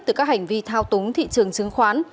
từ các hành vi thao túng thị trường chứng khoán